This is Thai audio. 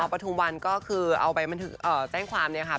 จำได้แค่เสื้อผ้านิดหน่อยนี่ครับ